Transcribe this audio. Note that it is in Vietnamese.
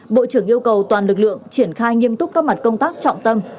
bộ trưởng yêu cầu toàn lực lượng triển khai nghiêm túc các mặt công tác trọng tâm